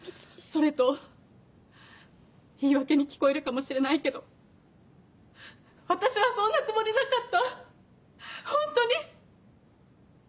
それと言い訳に聞こえるかもしれないけど私はそんなつもりなかったホントに！